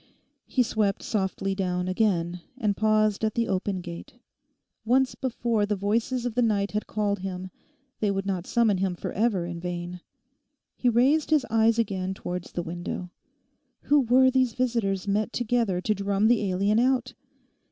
He swept softly down again, and paused at the open gate. Once before the voices of the night had called him: they would not summon him forever in vain. He raised his eyes again towards the window. Who were these visitors met together to drum the alien out?